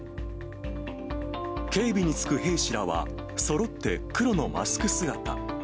警備につく兵士らは、そろって黒のマスク姿。